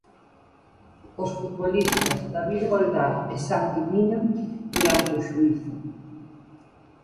Os futbolistas David Goldar e Santi Mina, durante o xuízo.